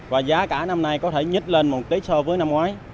và giá cả năm nay có thể nhít lên một cái so với năm ngoái